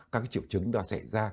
các triệu chứng đó xảy ra